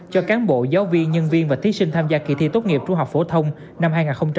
cho cán bộ giáo viên nhân viên và thí sinh tham gia kỳ thi tốt nghiệp trung học phổ thông năm hai nghìn hai mươi